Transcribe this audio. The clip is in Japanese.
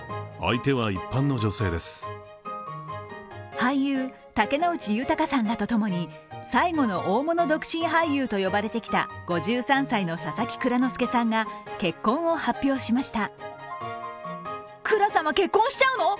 俳優・竹野内豊さんらと共に最後の大物独身俳優と呼ばれてきた５３歳の佐々木蔵之介さんが結婚を発表しました。